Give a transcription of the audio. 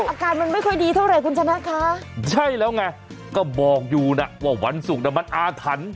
อาการมันไม่ค่อยดีเท่าไหร่คุณชนะค่ะใช่แล้วไงก็บอกอยู่นะว่าวันศุกร์น่ะมันอาถรรพ์